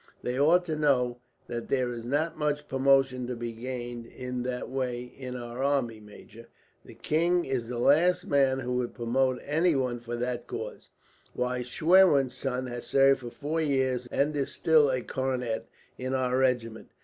"They ought to know that there is not much promotion to be gained in that way in our army, major. The king is the last man who would promote anyone for that cause. Why, Schwerin's son has served for four years and is still a cornet in our regiment!